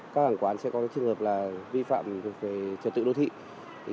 các hàng quán sẽ có trường hợp là vi phạm về trật tự đô thị